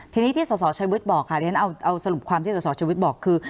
ทีนี้ที่สสชวชวิตบอกค่ะเดี๋ยวฉันเอาสรุปความที่สสชวชวิตบอกคือ